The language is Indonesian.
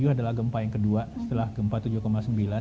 tujuh adalah gempa yang kedua setelah gempa tujuh sembilan